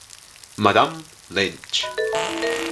Madame Lynch.